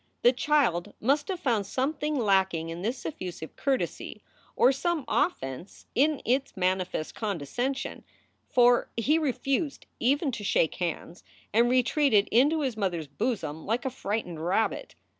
The child must have found something lacking in this effusive courtesy or some offense in its manifest condescension, for he refused even to shake hands and retreated into his mother s bosom like a frightened rabbit.